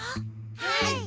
はい。